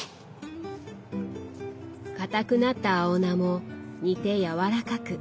硬くなった青菜も煮て軟らかく。